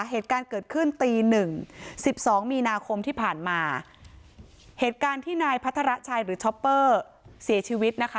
เหตุการณ์เกิดขึ้นตีหนึ่งสิบสองมีนาคมที่ผ่านมาเหตุการณ์ที่นายพัทรชัยหรือช็อปเปอร์เสียชีวิตนะคะ